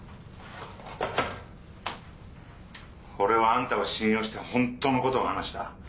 俺はアンタを信用して本当のことを話した。